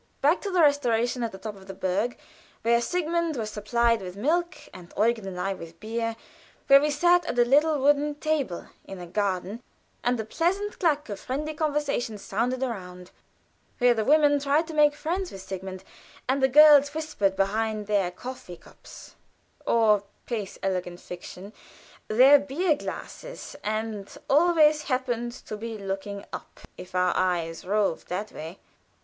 Back to the restauration at the foot of the berg, where Sigmund was supplied with milk and Eugen and I with beer, where we sat at a little wooden table in a garden and the pleasant clack of friendly conversation sounded around; where the women tried to make friends with Sigmund, and the girls whispered behind their coffee cups or (pace, elegant fiction!) their beer glasses, and always happened to be looking up if our eyes roved that way.